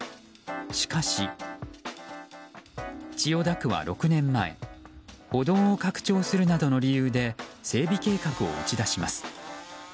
しかし、千代田区は６年前歩道を拡張するなどの理由で整備計画を打ち出します。